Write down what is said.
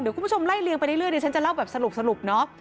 เดี๋ยวคุณผู้ชมไล่เลียงไปเรื่อยเดี๋ยวฉันจะเล่าแบบสรุปเนาะ